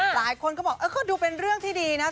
หลายคนก็บอกเออก็ดูเป็นเรื่องที่ดีนะ